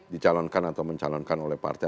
dicalonkan atau mencalonkan oleh partai